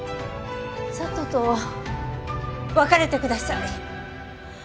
佐都と別れてください。